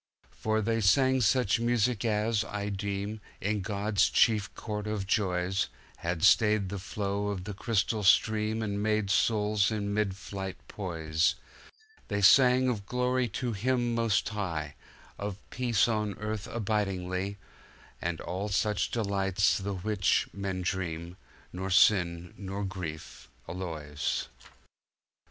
For they sang such music as, I deem, In God's chief court of joys, Had stayed the flow of the crystal stream And made souls in mid flight poise; They sang of Glory to Him most High, Of Peace on Earth abidingly, And of all delights the which, men dream, Nor sin nor grief alloys.